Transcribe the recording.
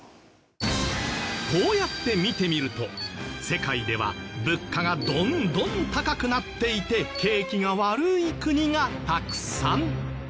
こうやって見てみると世界では物価がどんどん高くなっていて景気が悪い国がたくさん。